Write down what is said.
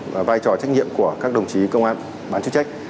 và vai trò trách nhiệm của các đồng chí công an bán chức trách